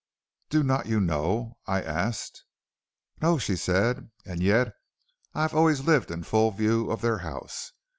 "'Do not you know?' I asked. "'No,' said she, 'and yet I have always lived in full view of their house.